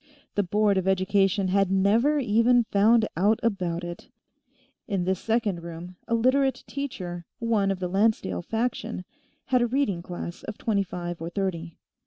The Board of Education had never even found out about it. In this second room, a Literate teacher, one of the Lancedale faction, had a reading class of twenty five or thirty.